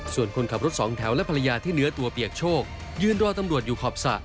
ส่วนคนขับรถสองแถวและภรรยาที่เนื้อตัวเปียกโชคยืนรอตำรวจอยู่ขอบสระ